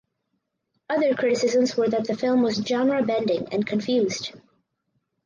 Other criticisms were that the film was "genre bending" and confused.